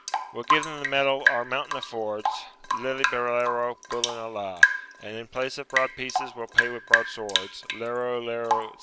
'We'll give them the metal our mountain affords, Lillibulero, bullen a la, And in place of broad pieces, we'll pay with broadswords, Lero, lero, etc.